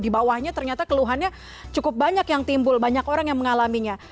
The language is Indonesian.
di bawahnya ternyata keluhannya cukup banyak yang timbul banyak orang yang mengalaminya